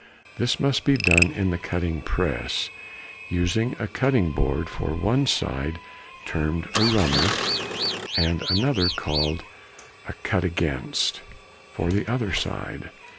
This must be done in the cutting press, using a cutting board for one side termed a "runner," and another called a "cut against" for the other side.